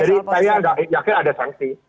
jadi saya yakin ada sanksi